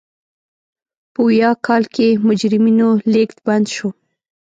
په ویاه کال کې مجرمینو لېږد بند شو.